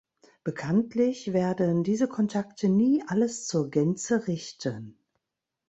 Bekanntlich werden diese Kontakte nie alles zur Gänze richten.